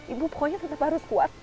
ibu pokoknya tetap harus kuat